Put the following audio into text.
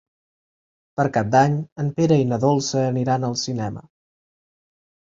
Per Cap d'Any en Pere i na Dolça aniran al cinema.